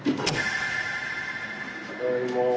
ただいま。